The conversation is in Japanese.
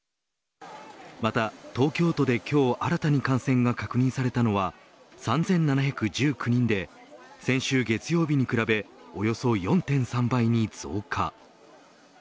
また東京都で今日新たに感染が確認されたのは３７１９人で先週月曜日に比べおよそ４．３倍に増加。